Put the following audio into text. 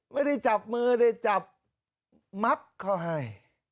ไม่ได้จับมือได้จับมับเขาให้